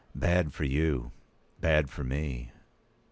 "Bad for you—bad for me.